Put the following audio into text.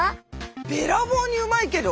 べらぼうにうまいけど。